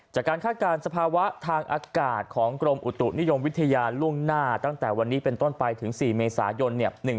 คาดการณ์สภาวะทางอากาศของกรมอุตุนิยมวิทยาล่วงหน้าตั้งแต่วันนี้เป็นต้นไปถึง๔เมษายน